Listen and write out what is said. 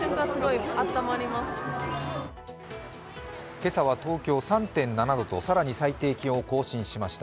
今朝は東京３．７度と更に最低気温を更新しました。